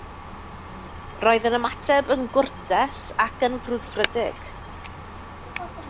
Roedd yn ymateb yn gwrtais ac yn frwdfrydig